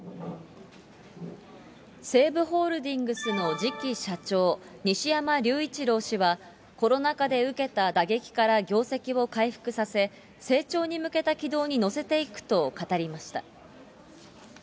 西武ホールディングスの次期社長、西山りゅういちろう氏は、コロナ禍で受けた打撃から業績を回復させ、成長に向けた軌道に乗せていくと語りました。